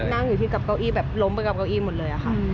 นั่งอยู่ที่กับเก้าอี้แบบล้มไปกับเก้าอี้หมดเลยค่ะ